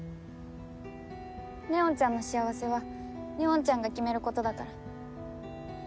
祢音ちゃんの幸せは祢音ちゃんが決めることだから。